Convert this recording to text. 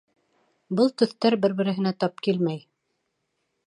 Был төҫтәр бер-беренә тап килмәй